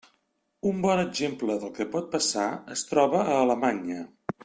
Un bon exemple del que pot passar es troba a Alemanya.